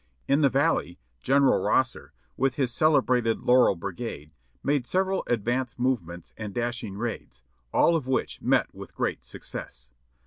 In the Valley General Rosser, with his celebrated Laurel Bri gade, made several advance movements and dashing raids, all of which met with great success.